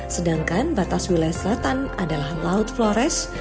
sedangkan batas wilayah selatan adalah laut flores